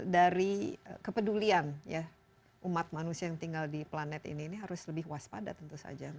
dari kepedulian ya umat manusia yang tinggal di planet ini harus lebih waspada tentu saja